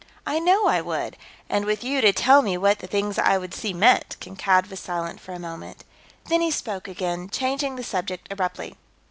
"I know I would. And with you to tell me what the things I would see meant...." Kankad was silent for a moment. Then he spoke again, changing the subject abruptly.